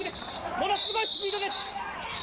ものすごいスピードです。